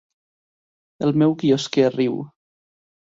El meu quiosquer riu.